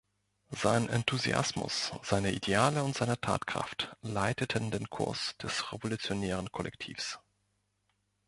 Sein Enthusiasmus, seine Ideale und seine Tatkraft leiteten den Kurs des revolutionären Kollektivs.